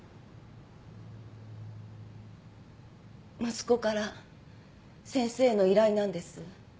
息子から先生への依頼なんです。